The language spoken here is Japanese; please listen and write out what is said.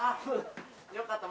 よかった